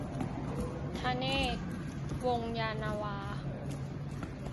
ธเนศ วงศ์ยานนาวา